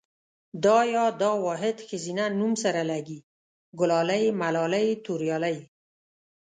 دا ۍ دا واحد ښځينه نوم سره لګي، ګلالۍ ملالۍ توريالۍ